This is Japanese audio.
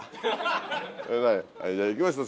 じゃあ行きますよ